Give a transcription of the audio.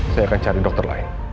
saya akan cari dokter lain